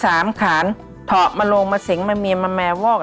สามขานฐะมาลงมะสิงมาเมียมาแมววก